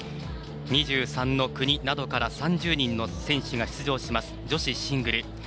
２３の国などから３０人の選手が出場します女子シングル。